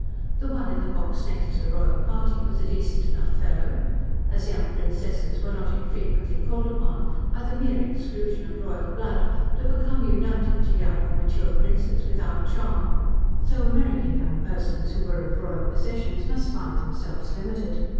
The one in the box next to the royal party was a decent enough fellow. As young princesses were not infrequently called upon, by the mere exclusion of royal blood, to become united to young or mature princes without charm, so American young persons who were of royal possessions must find themselves limited.